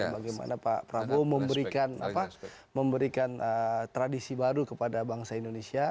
dan bagaimana pak prabowo memberikan tradisi baru kepada bangsa indonesia